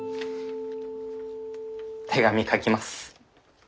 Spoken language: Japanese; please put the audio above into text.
手紙書きます。